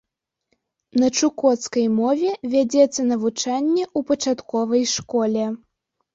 На чукоцкай мове вядзецца навучанне ў пачатковай школе.